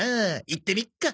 行ってみっか！